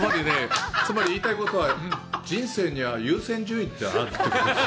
つまりね、言いたいことは、人生には優先順位ってのがある。